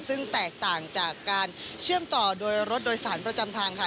ซึ่งแตกต่างจากการเชื่อมต่อโดยรถโดยสารประจำทางค่ะ